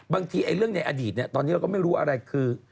บางทีเรื่องในอดีตตอนนี้เราก็ไม่รู้อะไรคือ